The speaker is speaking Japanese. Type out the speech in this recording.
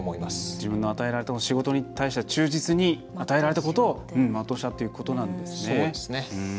自分の与えられた仕事に対しては忠実に与えられたことを全うしたっていうことなんですね。